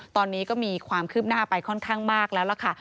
ตอนนี้ก็มีความคืบหน้าไปค่อนข้างมากแล้วล่ะค่ะ